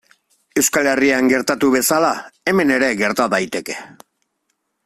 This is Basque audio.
Euskal Herrian gertatu bezala, hemen ere gerta daiteke.